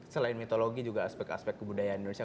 selain mitologi juga aspek aspek kebudayaan indonesia